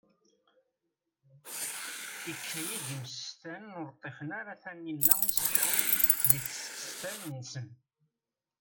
Ikad-iyi-d imsestanen ur ṭṭifen ara tanila iṣeḥḥan di tsestant-nsen.